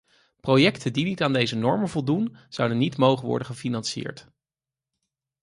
Projecten die niet aan deze normen voldoen, zouden niet mogen worden gefinancierd.